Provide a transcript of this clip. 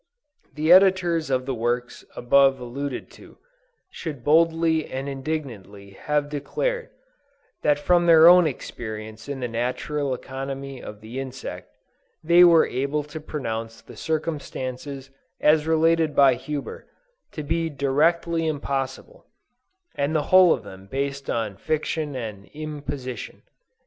The editors of the works above alluded to, should boldly and indignantly have declared, that from their own experience in the natural economy of the insect, they were able to pronounce the circumstances as related by Huber to be directly impossible, and the whole of them based on fiction and imposition."